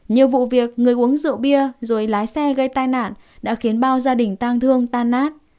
nhiều vụ việc người uống rượu bia rồi lái xe gây tai nạn đã khiến bao gia đình tang thương tan nát